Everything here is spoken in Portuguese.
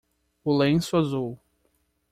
O lençol azul.